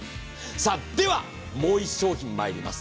では、もう１商品まいります。